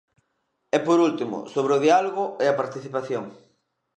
E, por último, sobre o diálogo e a participación.